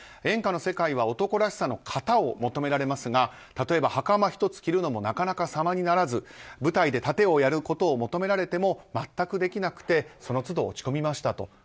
演歌の世界は男らしさの型を求められますが例えば、はかま１つ着るのもなかなか、さまにならず舞台で殺陣をやることを求められても全くできなくてその都度落ち込みましたと。